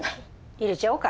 入れちゃおうか。